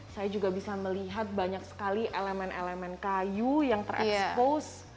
saya juga bisa melihat banyak sekali elemen elemen kayu yang terekspos